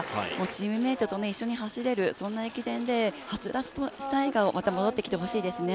チームメートと一緒に走れる、そんな駅伝ではつらつとした笑顔がまた戻ってきて欲しいですね。